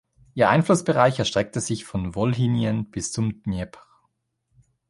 Ihr Einflussbereich erstreckte sich von Wolhynien bis zum Dnjepr.